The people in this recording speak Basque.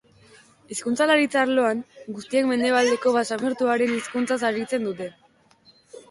Hizkuntzalaritza arloan, guztiek mendebaldeko basamortuaren hizkuntzaz aritzen dute.